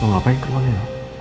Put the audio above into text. mau ngapain ke rumah nino